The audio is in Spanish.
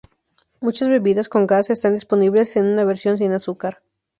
Muchas bebidas con gas están disponibles en una versión sin azúcar.